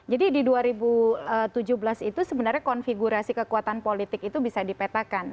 jadi di dua ribu tujuh belas itu sebenarnya konfigurasi kekuatan politik itu bisa dipetakan